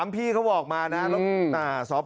พี่เค้าบอกทำมาน่ะ